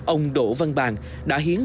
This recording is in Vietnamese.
ông đỗ văn bàng đã hiến